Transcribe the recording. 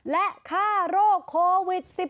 และฆ่าโรคโควิด๑๙